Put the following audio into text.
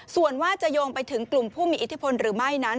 ส่วนว่าจะโยงไปถึงกลุ่มผู้มีอิทธิพลหรือไม่นั้น